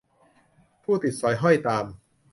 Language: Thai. ผู้ติดสอยห้อยตาม